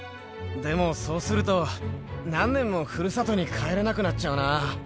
でもそうすると、何年もふるさとに帰れなくなっちゃうな。